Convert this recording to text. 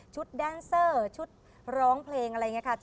แดนเซอร์ชุดร้องเพลงอะไรอย่างนี้ค่ะ